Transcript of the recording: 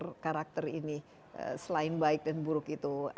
apa karakter karakter ini selain baik dan buruk itu